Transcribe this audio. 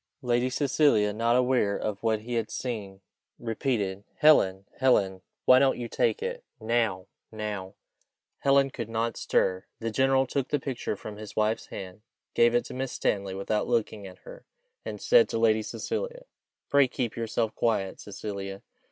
Lady Cecilia, not aware of what he had seen, repeated, "Helen! Helen! why don't you take it? now! now!" Helen could not stir. The general took the picture from his wife's hand, gave it to Miss Stanley, without looking at her, and said to Lady Cecilia, "Pray keep yourself quiet, Cecilia.